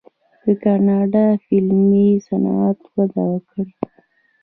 د کاناډا فلمي صنعت وده کړې.